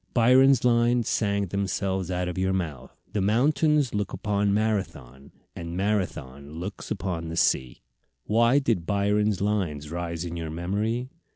Byron's lines sang themselves out of your mouth: "The mountains look upon Marathon, And Marathon looks on the sea." Why did Byron's lines rise in your memory?